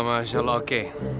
masya allah oke